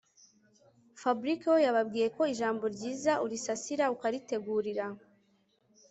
Fabric we yababwiye ko ijambo ryiza urisasira ukaritegurira